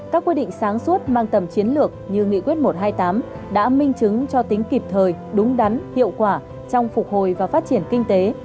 các quyết định sáng suốt mang tầm chiến lược như nghị quyết một trăm hai mươi tám đã minh chứng cho tính kịp thời đúng đắn hiệu quả trong phục hồi và phát triển kinh tế